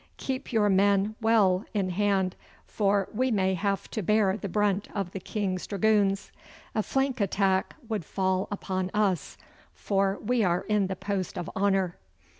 Keep your men well in hand, for we may have to bear the brunt of the King's dragoons. A flank attack would fall upon us, for we are in the post of honour.